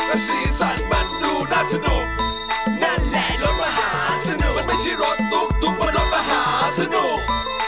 และสีสันมันดูน่าสนุกนั่นแหละรถมหาสนุกมันไม่ใช่รถตุ๊กตุ๊กบนรถมหาสนุก